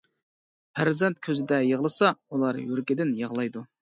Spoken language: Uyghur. پەرزەنت كۆزىدە يىغلىسا ئۇلار يۈرىكىدىن يىغلايدۇ.